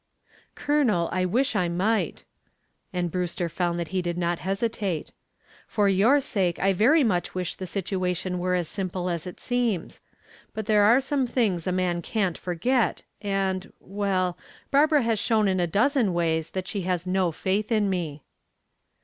"Colonel, I wish I might," and Brewster found that he did not hesitate. "For your sake I very much wish the situation were as simple as it seems. But there are some things a man can't forget, and well Barbara has shown in a dozen ways that she has no faith in me."